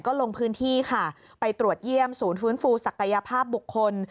ก็ลงพื้นที่ค่ะไปตรวจเยี่ยมศูนย์ฟื้นฟูศักยภาพบุคคล